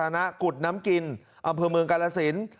ในสวนสาธารณะกุฎน้ำกินอำเภอเมืองกาลสิน